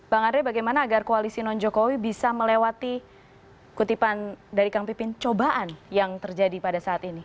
bang andre bagaimana agar koalisi non jokowi bisa melewati kutipan dari kang pipin cobaan yang terjadi pada saat ini